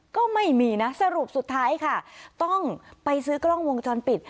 ก็ไม่มีนะสรุปสุดท้ายค่ะต้องไปซื้อกล้องวงจรปิด